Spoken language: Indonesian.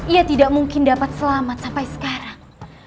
ia tidak mungkin dapat selamat sampai sekarang